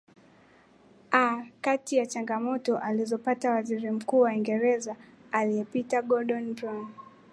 a kati ya changamoto alizopata waziri mkuu wa uingereza aliyepita gordon brown